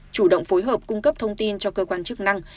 chủ động phối hợp cung cấp thông tin cho cơ quan chức năng